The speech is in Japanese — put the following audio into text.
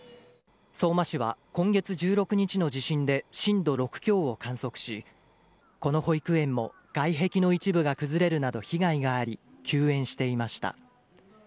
相馬市は今月１６日の地震で、震度６強を観測し、この保育園も外壁の一部が崩れるなど被害があり、休園していました。